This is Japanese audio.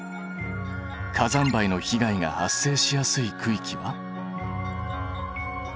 火山灰の被害が発生しやすい区域は？